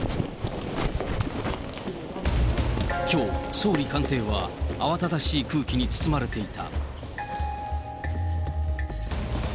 きょう、総理官邸は慌ただしい空気に包まれていた。